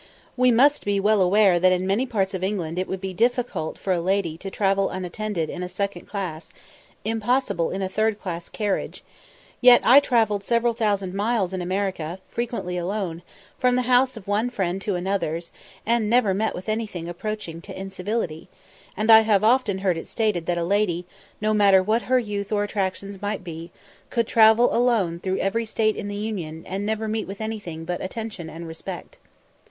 We must be well aware that in many parts of England it would be difficult for a lady to travel unattended in a second class, impossible in a third class carriage; yet I travelled several thousand miles in America, frequently alone, from the house of one friend to another's, and never met with anything approaching to incivility; and I have often heard it stated that a lady, no matter what her youth or attractions might be, could travel alone through every State in the Union, and never meet with anything but attention and respect.